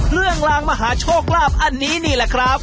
ลางมหาโชคลาภอันนี้นี่แหละครับ